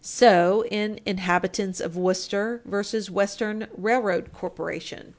So, in Inhabitants of Worcester v. Western Railroad Corporation, 4 Met.